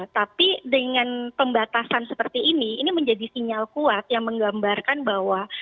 tapi dengan pembatasan seperti ini ini menjadi sinyal kuat yang menggambarkan bahwa